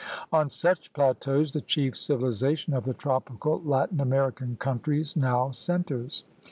On such plateaus the chief civilization of the tropical Latin American countries now centers.